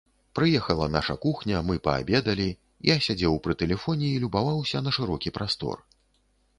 Прыехала наша кухня, мы паабедалі, я сядзеў пры тэлефоне і любаваўся на шырокі прастор.